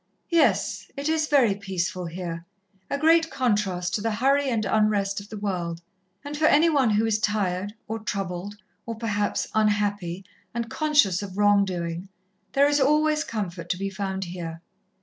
"Yes, it is very peaceful here a great contrast to the hurry and unrest of the world. And for any one who is tired, or troubled, or perhaps unhappy, and conscious of wrong doing, there is always comfort to be found here.